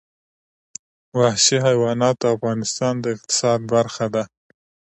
وحشي حیوانات د افغانستان د اقتصاد برخه ده.